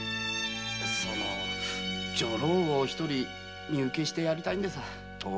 その女郎を一人身請けしてやりたいんでさァ。